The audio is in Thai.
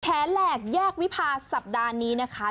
แหลกแยกวิพาสัปดาห์นี้นะคะ